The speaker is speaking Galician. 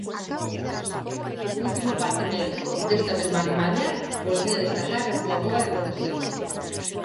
O último parte médico, desta mesma mañá, volvía destacar a súa boa evolución...